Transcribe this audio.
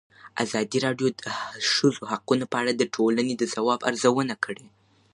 ازادي راډیو د د ښځو حقونه په اړه د ټولنې د ځواب ارزونه کړې.